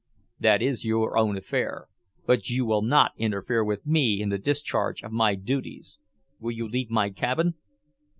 "That is your own affair, but you will not interfere with me in the discharge of my duties. Will you leave my cabin?"